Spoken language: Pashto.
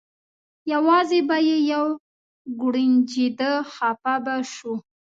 یوازې به یې یو کوړنجېده خپه به شو.